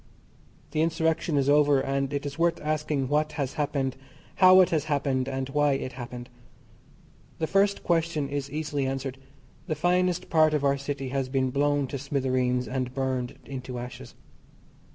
The Insurrection is over, and it is worth asking what has happened, how it has happened, and why it happened? The first question is easily answered. The finest part of our city has been blown to smithereens, and burned into ashes.